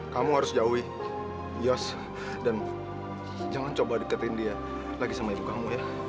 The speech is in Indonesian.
kamu harus jauhi yos dan jangan coba deketin dia lagi sama jugamu ya